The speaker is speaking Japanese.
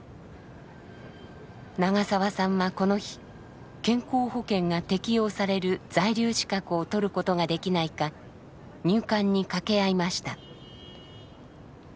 長澤さんはこの日健康保険が適用される在留資格を取ることができないか入管に掛け合いました。